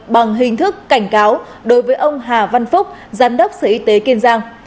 bằng hình thức cảnh cáo đối với ông hà văn phúc giám đốc sở y tế kiên giang